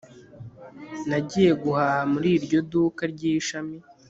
Nagiye guhaha muri iryo duka ryishami